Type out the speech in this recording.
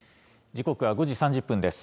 時刻は５時３０分です。